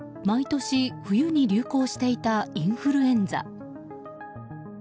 毎年、冬に流行していたインフルエンザ。